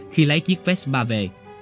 khi lấy chiếc vespa về